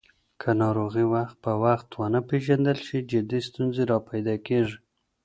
که ناروغي وخت په وخت ونه پیژندل شي، جدي ستونزې راپیدا کېږي.